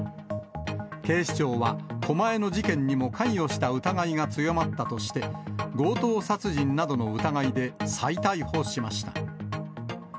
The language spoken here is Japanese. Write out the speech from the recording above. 警視庁は、狛江の事件でも関与した疑いが強まったとして、強盗殺人などの疑いで再逮捕しました。